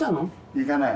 行かない。